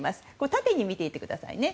縦に見ていってくださいね。